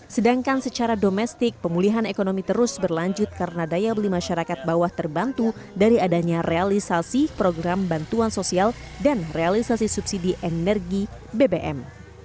sedangkan secara domestik pemulihan ekonomi terus berlanjut karena daya beli masyarakat bawah terbantu dari adanya realisasi program bantuan sosial dan realisasi subsidi energi bbm